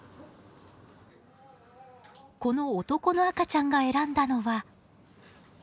この男の赤ちゃんが選んだのは。